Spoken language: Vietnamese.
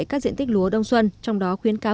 các diện tích lúa đông xuân trong đó khuyến cáo